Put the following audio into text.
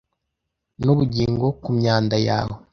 Nubugingo ku myanda yawe